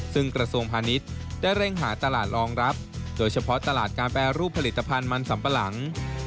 ซึ่งกระทรวงพาณิชย์ได้เร่งหาตลาดรองรับโดยเฉพาะตลาดการแปรรูปผลิตภัณฑ์มันสัมปะหลัง